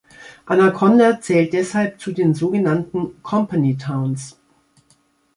Anaconda zählt deshalb zu den sogenannten "company towns".